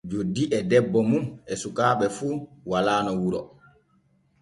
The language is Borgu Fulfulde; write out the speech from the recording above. Joddi e debbo mum e sukaaɓe fu walaano wuro.